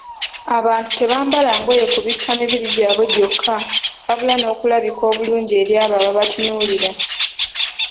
Abantu tebambala ngoye kubikka mibiri gyabwe gyokka, wabula n'okulabika obulungi eri abo ababatunuulira.